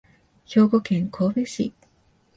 兵庫県神戸市